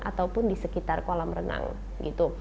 ataupun di sekitar kolam renang gitu